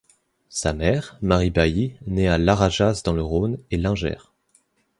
Sa mère, Marie Bailly, née à Larajasse dans le Rhône, est lingère.